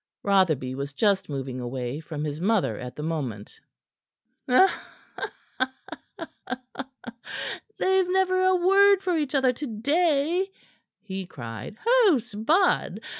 Rotherby was just moving away from his mother at that moment. "They've never a word for each other to day!" he cried. "Oh, 'Sbud!